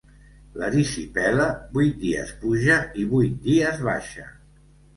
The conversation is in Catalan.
L'erisipela, vuit dies puja i vuit dies baixa.